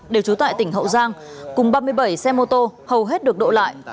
đều trú tại tỉnh hậu giang cùng ba mươi bảy xe mô tô hầu hết được độ lại